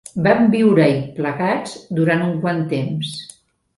Vam viure-hi plegats durant un quant temps.